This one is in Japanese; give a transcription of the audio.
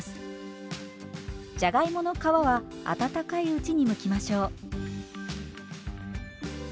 じゃがいもの皮は温かいうちにむきましょう。